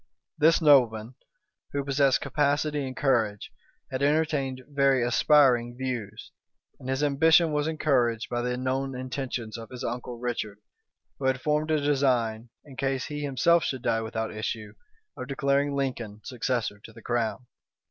This nobleman, who possessed capacity and courage, had entertained very aspiring views; and his ambition was encouraged by the known intentions of his uncle Richard, who had formed a design, in case he himself should die without issue, of declaring Lincoln successor to the crown.